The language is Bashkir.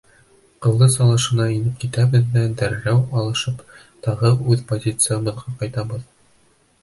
Ҡылыс алышына инеп китәбеҙ ҙә, дәррәү алышып, тағы үҙ позициябыҙға ҡайтабыҙ.